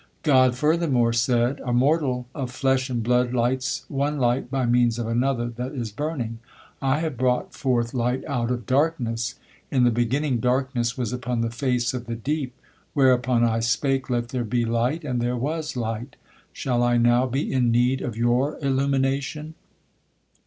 God furthermore said: "A mortal of flesh and blood lights one light by means of another that is burning, I have brought forth light out of darkness: 'In the beginning darkness was upon the face of the deep,' whereupon I spake, 'Let there be light: and there was light.' Shall I now be in need of your illumination?